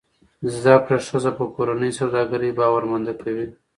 زده کړه ښځه په کورني سوداګرۍ باورمند کوي.